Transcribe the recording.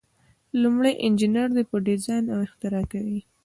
لومړی انجینر دی چې ډیزاین او اختراع کوي.